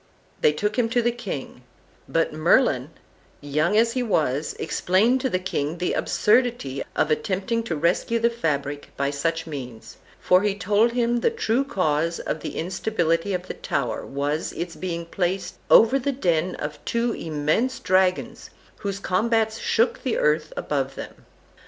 They took him to the king; but Merlin, young as he was, explained to the king the absurdity of attempting to rescue the fabric by such means, for he told him the true cause of the instability of the tower was its being placed over the den of two immense dragons, whose combats shook the earth above them.